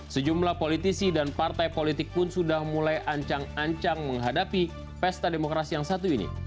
sejumlah politisi dan partai politik pun sudah mulai ancang ancang menghadapi pesta demokrasi yang satu ini